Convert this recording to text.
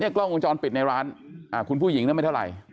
กล้องวงจรปิดในร้านคุณผู้หญิงนั้นไม่เท่าไหร่